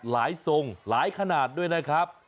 ทรงหลายขนาดด้วยนะครับ